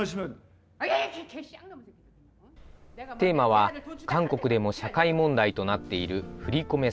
テーマは、韓国でも社会問題となっている振り込め